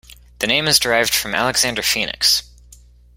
The name is derived from Alexander Phoenix.